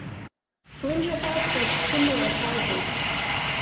Linderfelt faced similar charges.